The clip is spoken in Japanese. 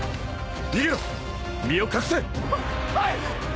逃げろ身を隠せ！ははい！